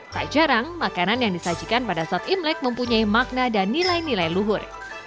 tak jarang makanan yang disajikan pada saat imlek mempunyai makna dan nilai nilai luhur